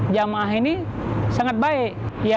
jamaah ini sangat baik